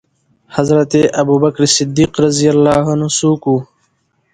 حضرت ابوبکر صديق څوک وو؟